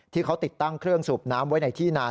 ที่เขาติดตั้งเครื่องสูบน้ำไว้ในที่นาน